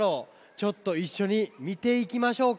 ちょっといっしょにみていきましょうか。